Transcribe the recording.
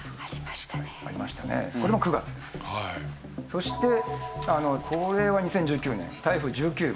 そしてこれは２０１９年台風１９号。